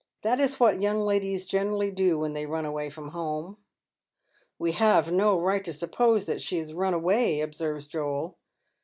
That is what young ladies generally do when thty run awaj' fi'om home." " We have no right to suppose that she has mn away,' observes Joel.